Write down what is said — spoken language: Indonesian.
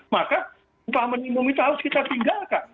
maka upah minimum itu harus kita tinggalkan